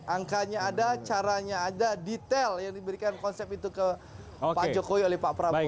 angkanya ada caranya ada detail yang diberikan konsep itu ke pak jokowi oleh pak prabowo